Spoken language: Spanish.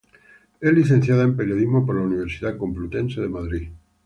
Es licenciada en periodismo por la Universidad Complutense de Madrid.